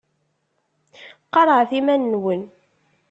Qarɛet iman-nwen.